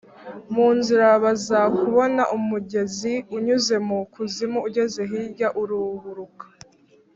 Mu nzira baza kubona umugezi unyuze mu kuzimu, ugeze hirya uruburuka.